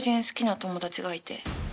好きな友達がいて。